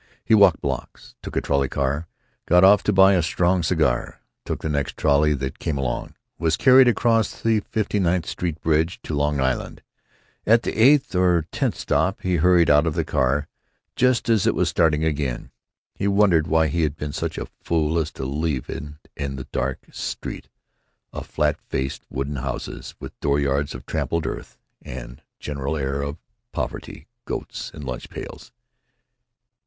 He walked blocks; took a trolley car; got off to buy a strong cigar; took the next trolley that came along; was carried across the Fifty ninth Street bridge to Long Island. At the eighth or tenth stop he hurried out of the car just as it was starting again. He wondered why he had been such a fool as to leave it in a dark street of flat faced wooden houses with dooryards of trampled earth and a general air of poverty, goats, and lunch pails.